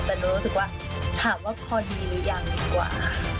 แต่นุ่นรู้สึกว่าถามว่าพอดีมั้ยยังดีกว่า